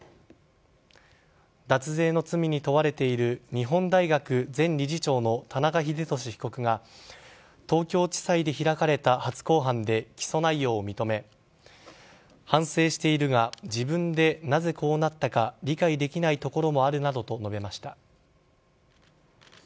脱税の罪に問われている日本大学前理事長の田中英寿被告が東京地裁で開かれた初公判で起訴内容を認め反省しているが自分でなぜこうなったか理解できないところもあるなどと述べました。